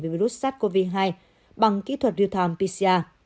với virus sars cov hai bằng kỹ thuật reutom pcr